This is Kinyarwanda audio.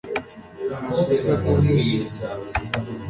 ntabwo asa nuwishimye